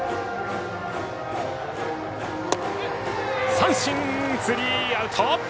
三振、スリーアウト。